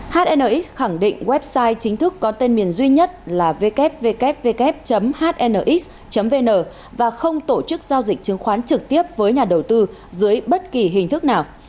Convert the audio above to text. hnx khẳng định website chính thức có tên miền duy nhất là ww hnx vn và không tổ chức giao dịch chứng khoán trực tiếp với nhà đầu tư dưới bất kỳ hình thức nào